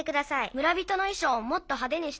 「村人のいしょうをもっとはでにしてほしい」。